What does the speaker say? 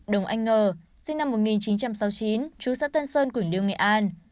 đồng anh ngờ sinh năm một nghìn chín trăm sáu mươi chín chú xã tân sơn quỳnh liêu nghệ an